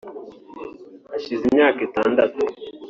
hashize imyaka itandatu